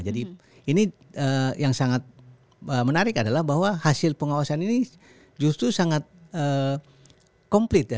jadi ini yang sangat menarik adalah bahwa hasil pengawasan ini justru sangat komplit